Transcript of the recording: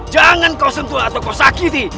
jangan kau sentuh atau kau sakiti